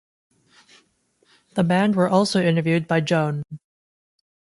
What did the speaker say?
The band were also interviewed by Joan.